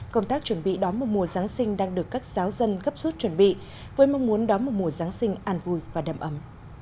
công tác chuẩn bị đón một mùa giáng sinh đang được các giáo dân gấp suốt chuẩn bị với mong muốn đón một mùa giáng sinh an vui và đầm ấm